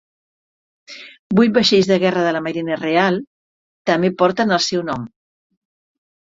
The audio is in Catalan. Vuit vaixells de guerra de la Marina real també porten el seu nom.